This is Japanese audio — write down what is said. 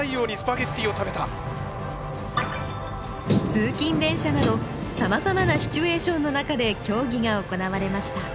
通勤電車などさまざまなシチュエーションの中で競技が行われました